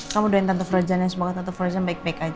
kamu doyan tante frozannya semoga tante frozen baik baik aja